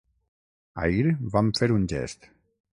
Ahir vam fer un gest.